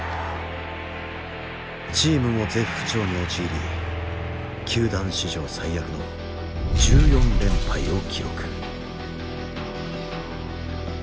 チームも絶不調に陥り球団史上最悪の１４連敗を記録。